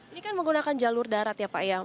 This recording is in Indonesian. ini kan menggunakan jalur darat ya pak ya